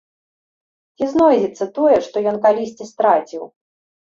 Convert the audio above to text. Ці знойдзецца тое, што ён калісьці страціў?